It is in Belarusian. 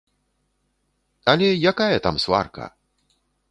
Але якая там сварка!